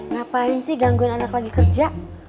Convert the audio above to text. ngapain sih gangguan anak lagi kerja